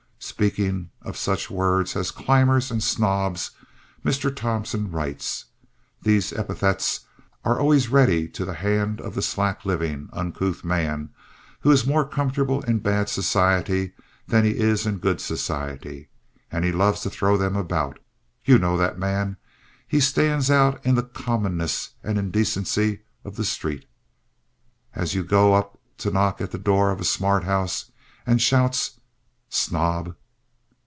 Speaking of such words as "climbers" and "snobs" Mr. Thompson writes: "These epithets are always ready to the hand of the slack living, uncouth man, who is more comfortable in bad society than he is in good society and he loves to throw them about. You know that man? He stands out in the commonness and indecency of the street, as you go up to knock at the door of a smart house, and shouts, 'Snob!'"